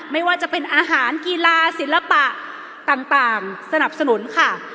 ไม่ว่าจะเป็นอาหารกีฬาศิลปะต่างสนับสนุนค่ะ